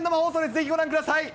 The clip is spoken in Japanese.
ぜひご覧ください。